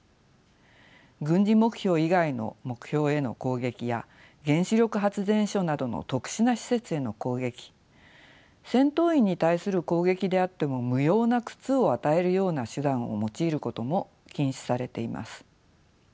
軍事目標以外の目標への攻撃や原子力発電所などの特殊な施設への攻撃戦闘員に対する攻撃であっても無用な苦痛を与えるような手段を用いることも禁止されています。